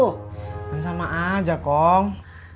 kan sama aja kong